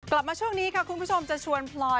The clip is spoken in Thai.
กลับมาช่วงนี้ค่ะคุณผู้ชมจะชวนพลอย